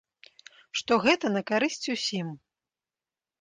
Што гэта на карысць усім.